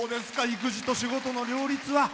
育児と仕事の両立は。